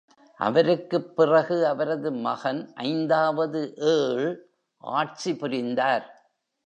அவருக்குப் பிறகு அவரது மகன் ஐந்தாவது ஏர்ல், ஆட்சி புரிந்தார்.